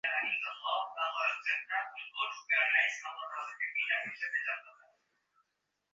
আমি ছাড়া সেখানকার সিংহাসনের উত্তরাধিকারী আর তো কাহাকেও দেখিতেছি না।